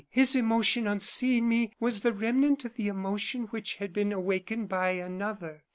His emotion on seeing me was the remnant of the emotion which had been awakened by another.